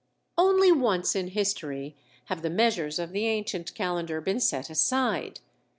Only once in history have the measures of the ancient calendar been set aside.